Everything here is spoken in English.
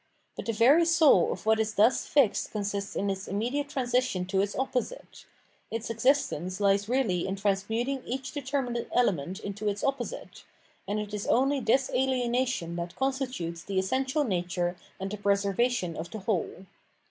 But the very soul of what is thus fixed consists in its immediate transition to its opposite ; its existence lies really m transmuting each determinate element into its opposite ; and it is only this ahenation that consti tutes the essential nature and the preservation of the whole.